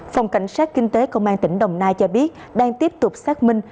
phòng cảnh sát kinh tế công an tỉnh đồng nai cho biết đang tiếp tục xác minh